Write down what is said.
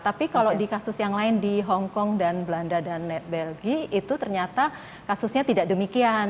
tapi kalau di kasus yang lain di hongkong dan belanda dan belgia itu ternyata kasusnya tidak demikian